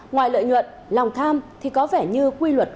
ngoài lợi nhuận lòng tham thì có vẻ như quy luật